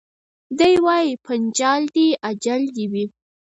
دی وايي پنچال دي اجل دي وي